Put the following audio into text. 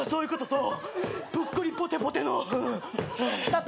そう。